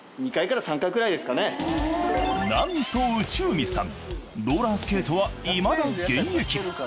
なんと内海さんローラースケートはいまだ現役。